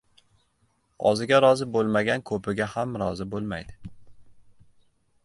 • Oziga rozi bo‘lmagan ko‘piga ham rozi bo‘lmaydi.